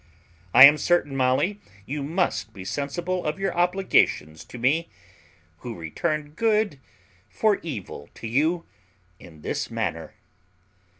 I am certain, Molly, you must be sensible of your obligations to me, who return good for evil to you in this manner."